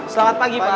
selamat pagi pak